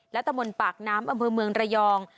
และตะมนต์ปากน้ำอำเภอเมืองระยอง